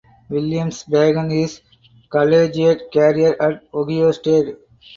Williams began his collegiate career at Ohio State.